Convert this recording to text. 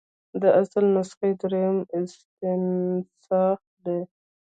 د اصل نسخې دریم استنساخ دی.